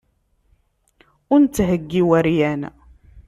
Ur netthegi iweryan.